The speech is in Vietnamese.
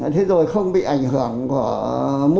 thế rồi không bị ảnh hưởng của mùi